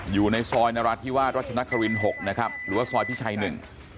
อยู่ในซอยนราธิวาสรัชนครินหกนะครับหรือว่าซอยพิชัยหนึ่ง